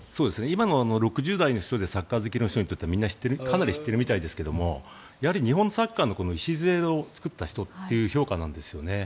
今の６０代の人でサッカー好きの人にとってはかなり知っているみたいですが日本サッカーの礎を作った人という評価なんですね。